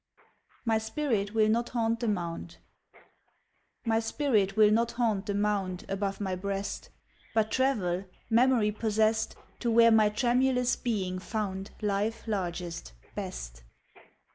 "MY SPIRIT WILL NOT HAUNT THE MOUND" MY spirit will not haunt the mound Above my breast, But travel, memory possessed, To where my tremulous being found Life largest, best.